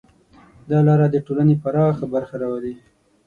دا لاره د ټولنې پراخه برخه راولي.